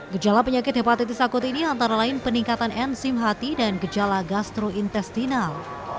gejala penyakit hepatitis akut ini antara lain peningkatan enzim hati dan gejala gastrointestinal